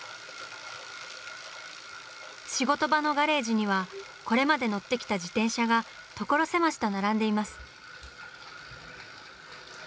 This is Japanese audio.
仕事場のガレージにはこれまで乗ってきた自転車が所狭しと並んでいます。